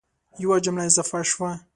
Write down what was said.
یوه جمله اضافه شوه